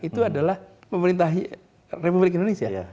itu adalah pemerintah republik indonesia